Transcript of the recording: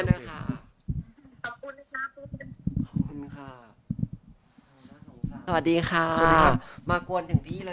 นะคะขอบคุณค่ะขอบคุณค่ะสวัสดีค่ะสวัสดีครับมากวนถึงพี่เลย